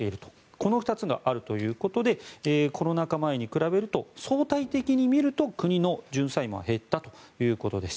この２つがあるということでコロナ禍前に比べると相対的にみると国の純債務は減ったということです。